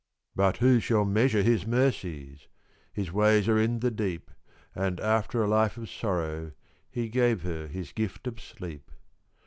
But who shall measure His mercies? His ways are in the deep; And, after a life of sorrow, He gave her His gift of sleep.